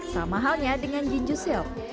sama halnya dengan jinju silk